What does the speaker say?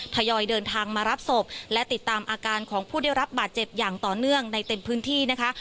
ทยอยเดินทางมารับศพและติดตามอาการของผู้ได้รับบาดเจ็บอย่างต่อเนื่องในเต็มพื้นที่นะคะ